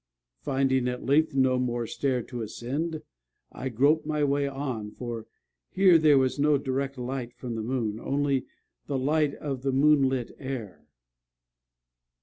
Finding, at length, no more stair to ascend, I groped my way on; for here there was no direct light from the moon only the light of the moonlit air.